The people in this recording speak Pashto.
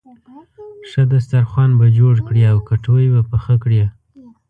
ښه دسترخوان به جوړ کړې او کټوۍ به پخه کړې.